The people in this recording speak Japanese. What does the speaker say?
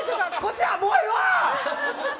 もうええわ！